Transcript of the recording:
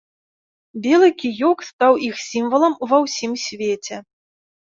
Белы кіёк стаў іх сімвалам ва ўсім свеце.